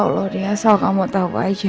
ya allah dia soal kamu tau aja